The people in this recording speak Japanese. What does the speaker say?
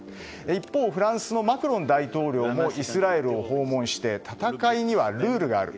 一方、フランスのマクロン大統領もイスラエルを訪問して戦いにはルールがある。